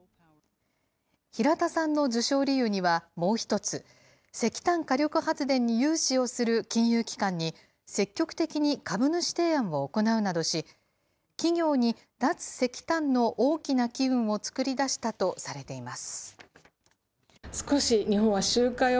平田さんの受賞理由にはもう一つ、石炭火力発電に融資をする金融機関に、積極的に株主提案を行うなどし、企業に脱石炭の大きな機運を作り出したとされています。